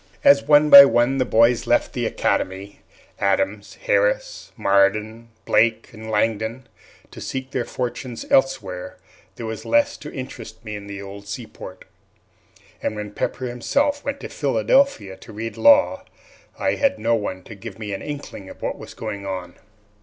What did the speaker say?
As one by one the boys left the academy Adams, Harris, Marden, Blake, and Langdon to seek their fortunes elsewhere, there was less to interest me in the old seaport; and when Pepper himself went to Philadelphia to read law, I had no one to give me an inkling of what was going on.